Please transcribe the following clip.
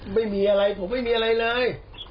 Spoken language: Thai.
ไม่มีอะไรผมไม่มีอะไรเลย